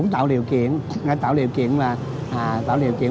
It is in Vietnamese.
tạo điều kiện là à tạo điều kiện